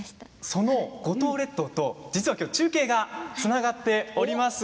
その五島列島と今日は中継がつながっています。